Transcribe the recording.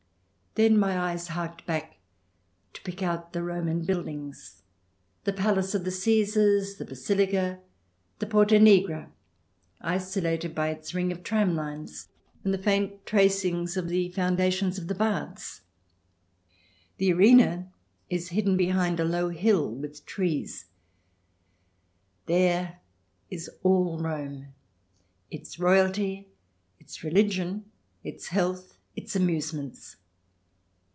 Then my eyes harked back to pick out the Roman buildings, the palace of the Caesars, the Basilica, the Porta Nigra, isolated by its ring of tram lines, and the faint tracings of the CH. xx] TRIER 275 foundations of the Baths. The Arena is hidden behind a low hill with trees. There is all Rome, its royalty, its religion, its health, its amusements.